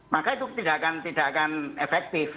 maka itu tidak akan efektif